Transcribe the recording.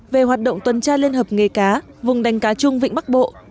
về hoạt động tuần tra liên hợp nghề cá vùng đánh cá chung vịnh bắc bộ